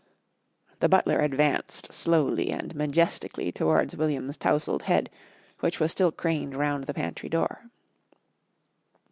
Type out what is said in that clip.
The butler advanced slowly and majestically towards William's tousled head, which was still craned around the pantry door.